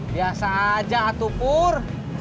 biasa aja atu pur